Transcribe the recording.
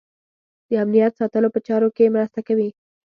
د امنیت ساتلو په چارو کې مرسته کوي.